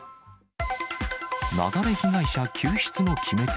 雪崩被害者救出の決め手。